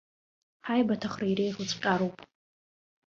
Ҳаибаҭахра иреиӷьу цәҟьароуп.